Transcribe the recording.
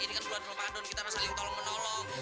ini kan bulan ramadan kita saling tolong menolong